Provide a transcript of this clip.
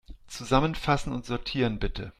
Zusammenfassen und sortieren, bitte.